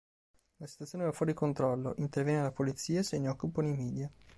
La situazione va fuori controllo, interviene la polizia, se ne occupano i media.